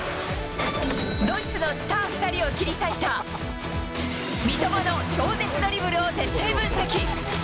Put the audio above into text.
ドイツのスター２人を切り裂いた、三笘の超絶ドリブルを徹底分析。